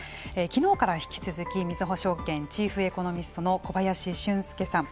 昨日から引き続きみずほ証券チーフエコノミストの小林俊介さん。